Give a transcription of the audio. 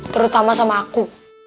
terutama sama aku